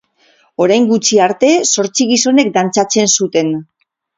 Orain gutxi arte zortzi gizonek dantzatzen zuten.